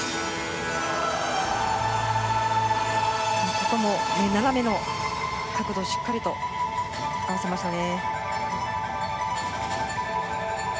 ここも斜めの角度をしっかりと合わせましたね。